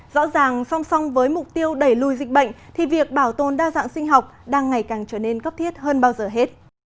rõ ràng song song với mục tiêu đẩy lùi dịch bệnh thì việc bảo tồn đa dạng sinh học đang ngày càng trở nên cấp thiết hơn bao giờ hết